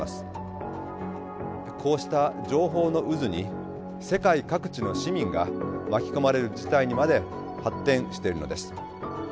こうした情報の渦に世界各地の市民が巻き込まれる事態にまで発展しているのです。